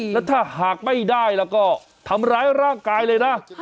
แล้วถ้าหากไม่ได้แล้วก็ทำร้ายร่างกายเลยนะ